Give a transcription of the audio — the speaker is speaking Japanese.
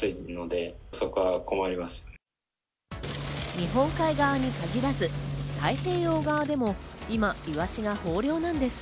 日本海側に突き出す太平洋側でも今、イワシが豊漁なんです。